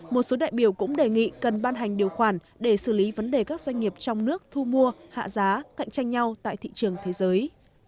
một số đại biểu cũng đề nghị cần ban hành điều khoản để xử lý vấn đề các doanh nghiệp trong nước thu mua hạ giá cạnh tranh nhau tại thị trường thế giới